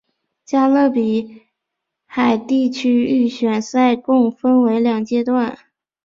加勒比海地区预选赛共分两阶段。